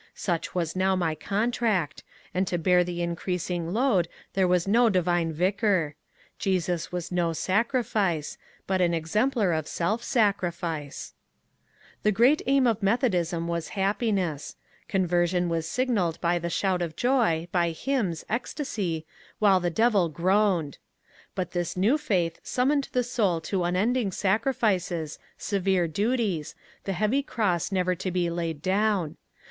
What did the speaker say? Such was now my contract, and to bear the increasing load there was no divine vicar. Jesus was no sacrifice, but an exemplar of self sacrifice. 220 MONCURE DANIEL CONWAY The great aim of Methodism was happiness. Conversion was signalled by the shout of joy, by hymns, ecstasy, while the devil groaned. But this new faith summoned the soul to unending sacrifices, severe duties, the heavy cross never to be laid down.